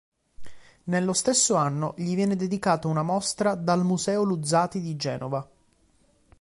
Nello stesso anno gli viene dedicata una mostra dal Museo Luzzati di Genova.